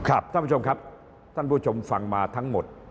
ท่านผู้ชมครับท่านผู้ชมฟังมาทั้งหมด